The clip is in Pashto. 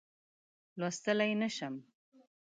لوستلای نه شم.